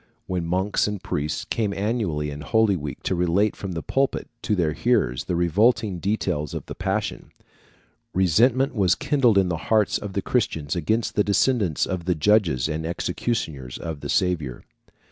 When monks and priests came annually in Holy week to relate from the pulpit to their hearers the revolting details of the Passion, resentment was kindled in the hearts of the Christians against the descendants of the judges and executioners of the Saviour.